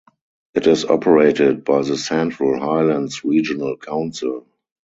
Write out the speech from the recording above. It is operated by the Central Highlands Regional Council.